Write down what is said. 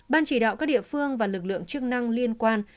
ban chỉ đạo các địa phương và lực lượng chức năng liên quan